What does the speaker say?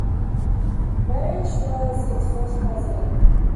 Weyrich was its first president.